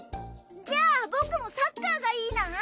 じゃあ僕もサッカーがいいな。